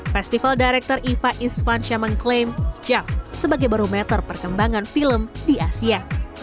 festival director iva isvansya mengklaim jav sebagai barometer perkembangan film di asia